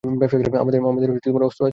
আমাদের অস্ত্র আছে।